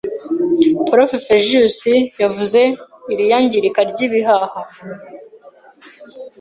Prof Fergus yavuze iri yangirika ry’ibihaha